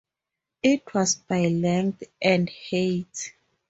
It was by length, and height.